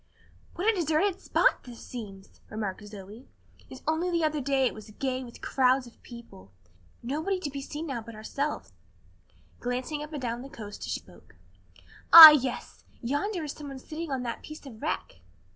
"What a deserted spot this seems!" remarked Zoe, "and only the other day it was gay with crowds of people. Nobody to be seen now but ourselves," glancing up and down the coast as she spoke. "Ah, yes! yonder is someone sitting on that piece of wreck."